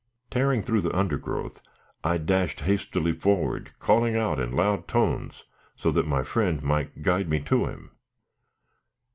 Tearing through the undergrowth, I dashed hastily forward, calling out in loud tones, so that my friend might guide me to him.